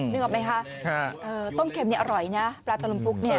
นึกออกไหมคะต้มเค็มนี่อร่อยนะปลาตะลมฟุกเนี่ย